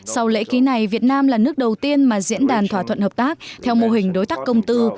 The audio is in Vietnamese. sau lễ ký này việt nam là nước đầu tiên mà diễn đàn thỏa thuận hợp tác theo mô hình đối tác công tư